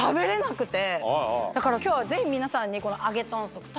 だから今日はぜひ皆さんにこの。